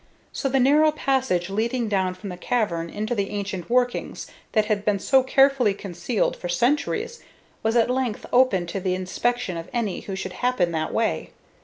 So the narrow passage leading down from the cavern into the ancient workings that had been so carefully concealed for centuries was at length open to the inspection of any who should happen that way.